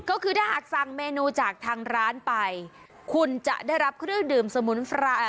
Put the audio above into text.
ก็คือถ้าหากสั่งเมนูจากทางร้านไปคุณจะได้รับเครื่องดื่มสมุนไพร